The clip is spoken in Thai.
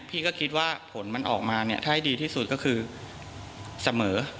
พี่ก็คิดว่าผลมันออกมาเนี่ยถ้าให้ดีที่สุดก็คือเสมอ